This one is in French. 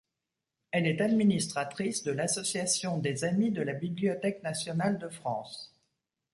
Elle est administratrice de l'Association des amis de la Bibliothèque nationale de France.